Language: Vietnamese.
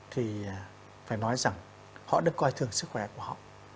thì phải nói rằng họ được coi thường sức khỏe của họ